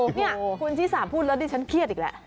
นี่คุณชิสาพูดแล้วดิฉันเครียดอีกแล้ว